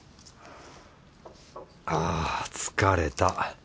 あ疲れた。